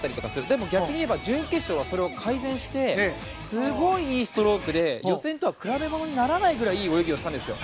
でも逆にいけば準決勝はそれを改善してすごくいいストロークで予選とは比べ物にならないくらいいい泳ぎをしたんですよ。